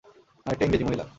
আরেকটা ইংরেজি মহিলা।